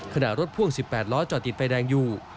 ขณะรถพ่วง๑๘ล้อจอดติดไฟแดงอยู่